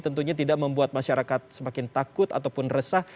tentunya tidak membuat masyarakat semakin takut ataupun resah